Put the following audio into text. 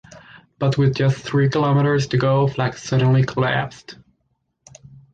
But with just three kilometres to go, Flack suddenly collapsed.